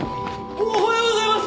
おはようございます！